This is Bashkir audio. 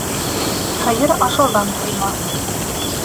Һыйыр ашауҙан туймаҫ.